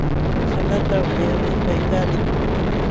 Salata ulyaqmi tayta likun.